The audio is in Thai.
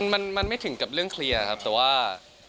มันไม่ถึงกับเรื่องเคลียร์ครับแต่ว่า